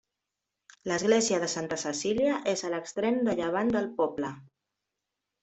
L'església de Santa Cecília és a l'extrem de llevant del poble.